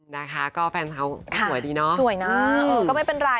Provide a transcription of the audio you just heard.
นะคะก็แฟนเขาสวยดีเนาะสวยนะเออก็ไม่เป็นไร